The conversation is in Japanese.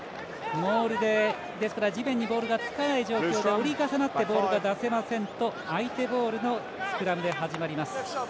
地面にボールがつかない状況で、折り重なってボールが出せませんと相手ボールのスクラムで始まります。